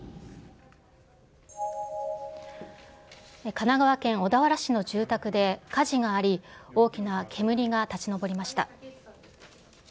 神奈川県小田原市の住宅で火事があり、大きな煙が立ち上りました。